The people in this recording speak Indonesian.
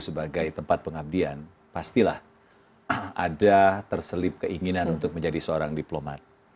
sebagai tempat pengabdian pastilah ada terselip keinginan untuk menjadi seorang diplomat